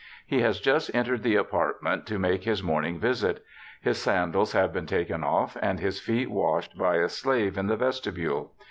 He has just entered the apartment, to make his morning visit. His sandals have been taken off, and his feet washed by a slave in the vestibule.